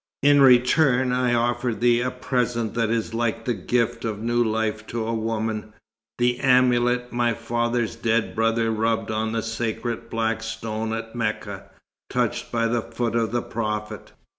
In return, I offered thee a present that is like the gift of new life to a woman, the amulet my father's dead brother rubbed on the sacred Black Stone at Mecca, touched by the foot of the Prophet.